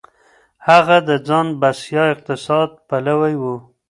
هغه د ځان بسيا اقتصاد پلوی و.